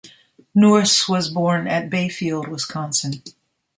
Nourse was born at Bayfield, Wisconsin.